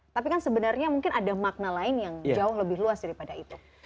tapi kan sebenarnya mungkin ada makna lain yang jauh lebih luas daripada itu